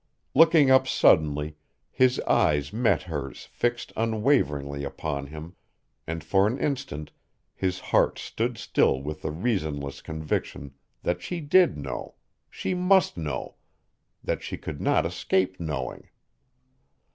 Looking up suddenly, his eyes met hers fixed unwaveringly upon him and for an instant his heart stood still with the reasonless conviction that she did know, she must know, that she could not escape knowing.